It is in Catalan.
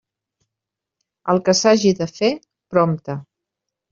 El que s'haja de fer, prompte.